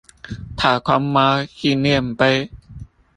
太空貓紀念碑